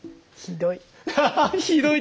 ひどい。